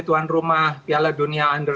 tuan rumah piala dunia under tujuh belas